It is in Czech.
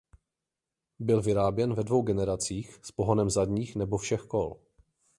Byl vyráběn ve dvou generacích s pohonem zadních nebo všech kol.